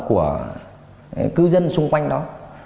của cư dân xung quanh đó